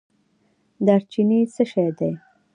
دارچینی څه شی دی؟